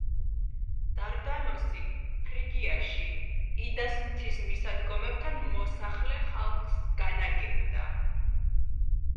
დარდანოსი ფრიგიაში, იდას მთის მისადგომებთან მოსახლე ხალხს განაგებდა.